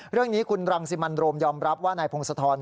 เรื่องนี้คุณรังสิมันโรมยอมรับว่านายพงศธร